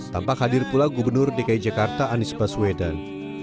tampak hadir pula gubernur dki jakarta anies baswedan